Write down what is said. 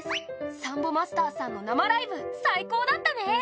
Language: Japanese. サンボマスターさんの生ライブ最高だったね。